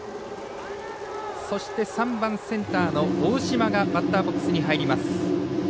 ３番センターの大島がバッターボックスに入ります。